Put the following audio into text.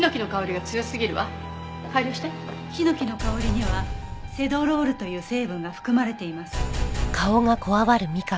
ヒノキの香りにはセドロールという成分が含まれています。